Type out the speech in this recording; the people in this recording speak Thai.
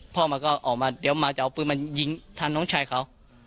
พ่อมันก็ออกมาเดี๋ยวมาจะเอาปืนมายิงทันน้องชายเขา